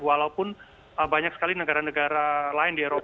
walaupun banyak sekali negara negara lain di eropa